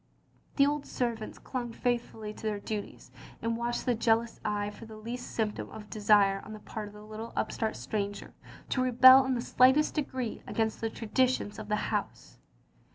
The old servants clung faithfully to their duties, and watched with jealous eyes for the least symptom of a desire on the part of the little upstart stranger to rebel in the slightest degree against the traditions of the house.